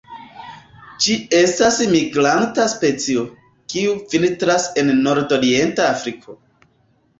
Ĝi estas migranta specio, kiu vintras en nordorienta Afriko.